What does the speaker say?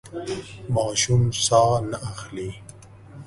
ماشوم ساه نه اخلي.